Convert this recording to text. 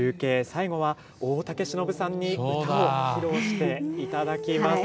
最後は大竹しのぶさんに歌を披露していただきます。